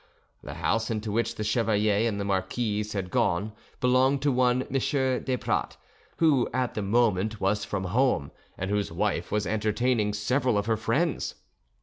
The house into which the chevalier and the marquise had gone belonged to one M. Desprats, who at the moment was from home, and whose wife was entertaining several of her friends.